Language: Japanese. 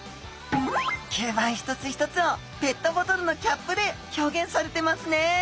吸盤一つ一つをペットボトルのキャップで表現されてますね。